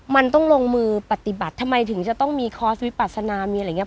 มันต้องลงมือปฏิบัติทำไมถึงจะต้องมีคอร์สวิปัสนามีอะไรอย่างนี้